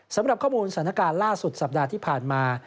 สำหรับข้อมูลสถานการณ์ล่าสุดสัปดาห์ที่ผ่านมา